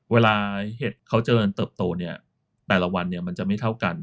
เห็ดเขาเจริญเติบโตเนี่ยแต่ละวันมันจะไม่เท่ากัน